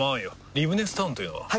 リブネスタウンというのは？